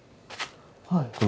はい。